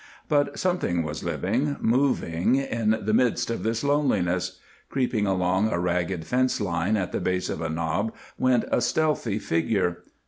But something was living, moving, in the midst of this loneliness. Creeping along a ragged fence line at the base of a knob went a stealthy figure.